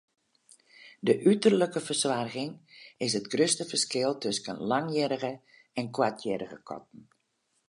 De uterlike fersoarging is it grutste ferskil tusken langhierrige en koarthierrige katten.